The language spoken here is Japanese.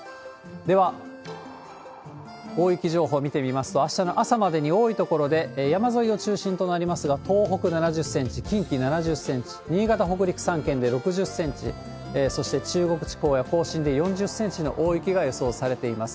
では、大雪情報見てみますと、あしたの朝までに多い所で、山沿いを中心となりますが、東北７０センチ、近畿７０センチ、新潟、北陸３県で６０センチ、そして中国地方や甲信で４０センチの大雪が予想されています。